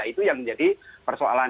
itu yang menjadi persoalan